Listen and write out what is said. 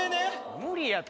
無理やて。